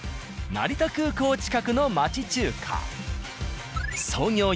成田空港近くの町中華。